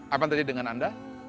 apa tadi dengan anda